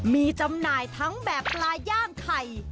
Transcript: มีจำหน่ายทั้งแบบปลาย่างไข่